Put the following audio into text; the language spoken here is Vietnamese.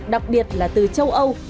đặc biệt là từ châu âu